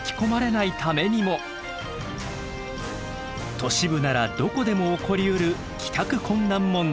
都市部ならどこでも起こりうる帰宅困難問題。